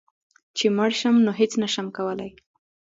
چي مړ شوم نو هيڅ نشم کولی